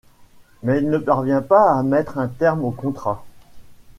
Mais il ne parvient pas à mettre un terme au contrat...